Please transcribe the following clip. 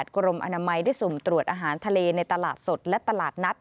กรมอนามัยได้สุ่มตรวจอาหารทะเลในตลาดสดและตลาดนัด